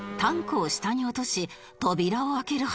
タンクを下に落とし扉を開けるはずが